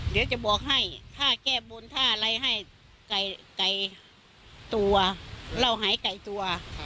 เดี๋ยวจะบอกให้ถ้าแก้บนถ้าอะไรให้ไก่ตัวเราหายไก่ตัว